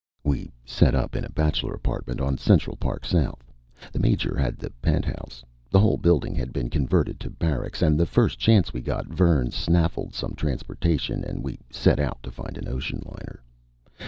We set up in a bachelor apartment on Central Park South the Major had the penthouse; the whole building had been converted to barracks and the first chance we got, Vern snaffled some transportation and we set out to find an ocean liner.